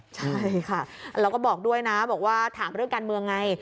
ใช่ค่ะเราก็บอกด้วยนะถามเรื่องการเมืองไง